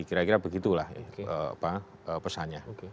kira kira begitulah pesannya